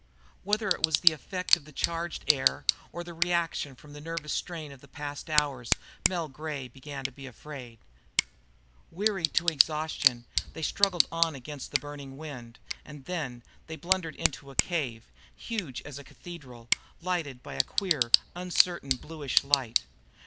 Whether it was the effect of the charged air, or the reaction from the nervous strain of the past hours, Mel Gray began to be afraid. Weary to exhaustion, they struggled on against the burning wind. And then they blundered out into a cave, huge as a cathedral, lighted by a queer, uncertain bluish light.